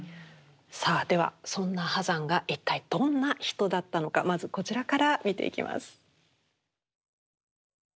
さあではそんな波山が一体どんな人だったのかまずこちらから見ていきます。